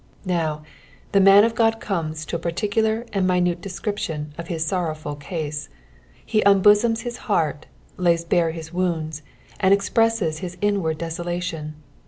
Now, the man of Uod cornea to a particular and minute description of his sorrowful case. He unbosoms his heart, lays bare his wounds, and expresses his inward desolation.